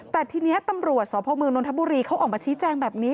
แต่ทีนี้ตำรวจสพเมืองนทบุรีเขาออกมาชี้แจงแบบนี้